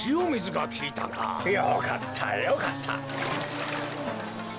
よかったよかった。